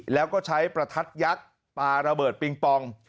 แล้วก็ใช้ประทัดยักษณ์ปารเปิดเปลี้งปวง